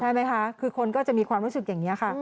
ใช่ไหมคะคือคนก็จะมีความรู้สึกอย่างนี้ค่ะ